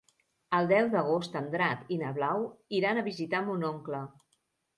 El deu d'agost en Drac i na Blau iran a visitar mon oncle.